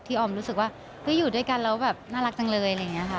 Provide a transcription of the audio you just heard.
ออมรู้สึกว่าอยู่ด้วยกันแล้วแบบน่ารักจังเลยอะไรอย่างนี้ค่ะ